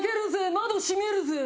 窓閉めるぜ。